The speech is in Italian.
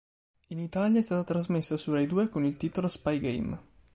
In Italia è stata trasmessa su RaiDue con il titolo "Spy Game".